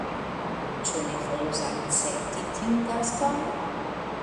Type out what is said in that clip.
Ĉu ne volus akcepti tiun taskon?